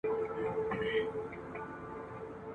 پوهېدل د ټولنيز مسئولیت احساس زیاتوي.